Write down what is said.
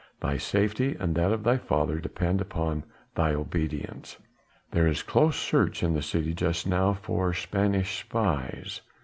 Thy safety and that of thy father depend on thy obedience. There is close search in the city just now for Spanish spies."